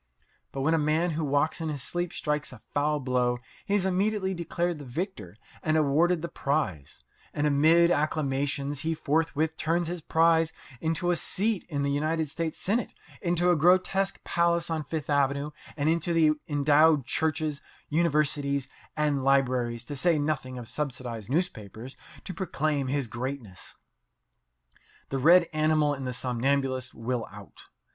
But when a man who walks in his sleep strikes a foul blow he is immediately declared the victor and awarded the prize; and amid acclamations he forthwith turns his prize into a seat in the United States Senate, into a grotesque palace on Fifth Avenue, and into endowed churches, universities and libraries, to say nothing of subsidized newspapers, to proclaim his greatness. The red animal in the somnambulist will out.